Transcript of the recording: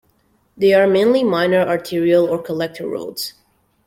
They are mainly minor arterial or collector roads.